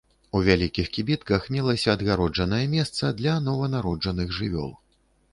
У вялікіх кібітках мелася адгароджанае месца для нованароджаных жывёл.